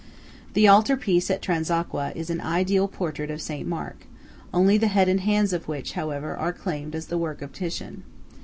The altar piece at Transacqua is an ideal portrait of St. Mark, only the head and hands of which, however, are claimed as the work of Titian.